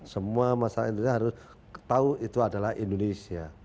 semua masyarakat indonesia harus tahu itu adalah indonesia